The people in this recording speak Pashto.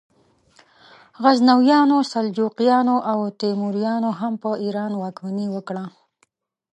غزنویانو، سلجوقیانو او تیموریانو هم په ایران واکمني وکړه.